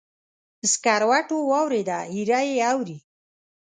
سکروټو واوریده، ایره یې اوري